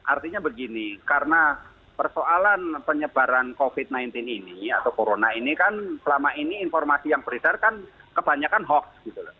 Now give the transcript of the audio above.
artinya begini karena persoalan penyebaran covid sembilan belas ini atau corona ini kan selama ini informasi yang beredar kan kebanyakan hoax gitu loh